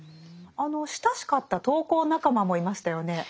あの親しかった投稿仲間もいましたよね。